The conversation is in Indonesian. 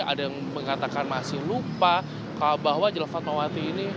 ada yang mengatakan masih lupa bahwa jalan fatmawati ini